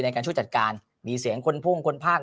ในการช่วยจัดการมีเสียงคนพุ่งคนภาค